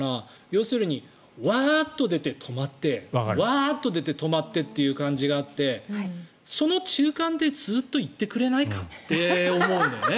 要するにワーッと出て止まってワーッと出て止まってという感じがあってその中間でずっと行ってくれないかと思うんだよね。